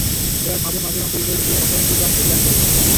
এবার ভাঁজের মাঝের অংশ ভেতরে ঢুকিয়ে অপর দুই পাশ ঘুরিয়ে আটকে দিন।